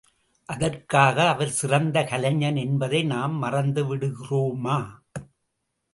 அதற்காக அவர் சிறந்த கலைஞன் என்பதை நாம் மறந்து விடுகிறோமா?